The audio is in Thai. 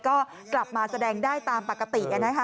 ก็กลับมาแสดงได้ตามปกติกันนะคะ